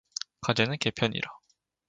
가재는 게 편이라